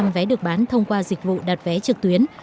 tám mươi tám bốn vé được bán thông qua dịch vụ đặt vé trực tuyến